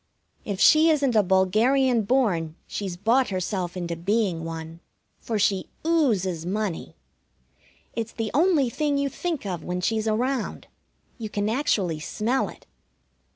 If she isn't a bulgarian born, she's bought herself into being one, for she oozes money. It's the only thing you think of when she's around. You can actually smell it.